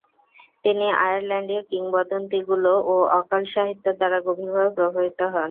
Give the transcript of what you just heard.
তিনি আয়ারল্যান্ডীয় কিংবদন্তিগুলো ও অকাল্ট সাহিত্যের দ্বারা গভীরভাবে প্রভাবিত হন।